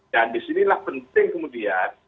dan disinilah penting kemudian